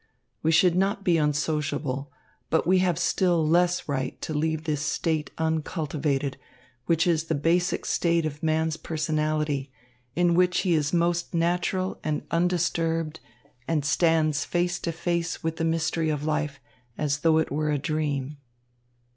We should not be unsociable, but we have still less right to leave this state uncultivated, which is the basic state of man's personality, in which he is most natural and undisturbed and stands face to face with the mystery of life as though it were a dream."